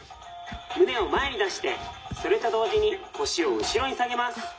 胸を前に出してそれと同時に腰を後ろに下げます。